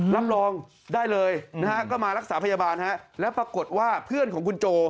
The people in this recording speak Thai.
รับรองได้เลยนะฮะก็มารักษาพยาบาลแล้วปรากฏว่าเพื่อนของคุณโจ